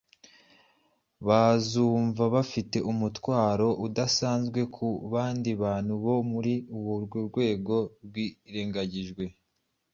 Bazumva bafite umutwaro udasanzwe ku bandi bantu bo muri uru rwego rwirengagijwe.